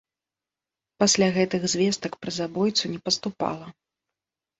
Пасля гэтых звестак пра забойцу не паступала.